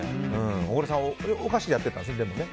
小倉さんはお菓子をやってるんですよね。